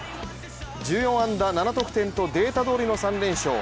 １４安打７得点とデータ通りの３連勝。